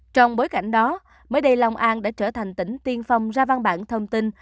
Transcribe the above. trong bối cảnh đó mới đây long an đã trở thành tỉnh tiên phong ra văn bản thông tin